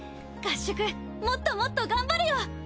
合宿もっともっと頑張るよ！